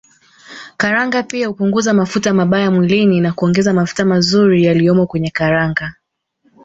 Karanga pia hupunguza mafuta mabaya mwilini na kuongeza mafuta mazuri yaliyomo kwenye karanga